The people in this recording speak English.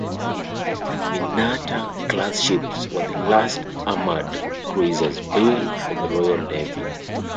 The "Minotaur"-class ships were the last armoured cruisers built for the Royal Navy.